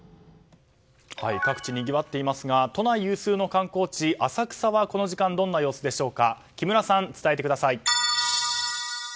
各地、にぎわっていますが都内有数の観光地、浅草はこの時間、どんな様子でしょうか木村さん、伝えてください。